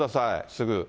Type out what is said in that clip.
すぐ。